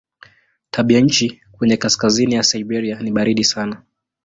Tabianchi kwenye kaskazini ya Siberia ni baridi sana.